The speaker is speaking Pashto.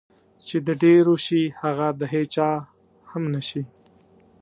چې د ډېرو شي هغه د هېچا هم نشي.